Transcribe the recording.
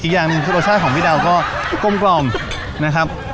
อย่างหนึ่งคือรสชาติของพี่ดาวก็กลมกล่อมนะครับ